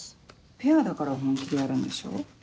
ペアだから本気でやるんでしょ。